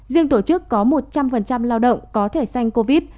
riêng tổ chức có một trăm linh lao động có thể xanh covid